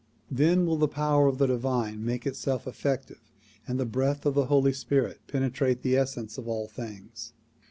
Then will the power of the divine make itself effective and the breath of the Holy Spirit penetrate the essence of all things.